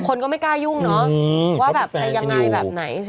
คนก็ไม่กล้ายุ่งเนอะ